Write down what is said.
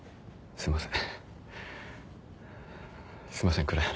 すいません。